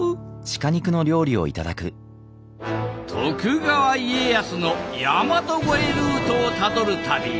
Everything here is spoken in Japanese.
徳川家康の大和越えルートをたどる旅。